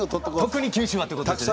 特に九州はってことですよね。